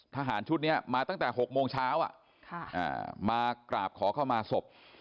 ทหารชุดนี้มาตั้งแต่๖โมงเช้ามากราบขอเข้ามาศพ